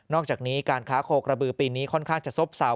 อกจากนี้การค้าโคกระบือปีนี้ค่อนข้างจะซบเซา